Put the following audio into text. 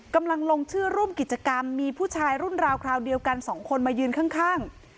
กำลังลงชื่อร่วมกิจกรรมมีผู้ชายรุ่นราวคราวเดียวกันสองคนมายืนข้าง